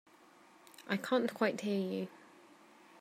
I can't quite hear you.